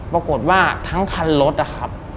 ปรากฏว่าทั้งคันรถอะครับ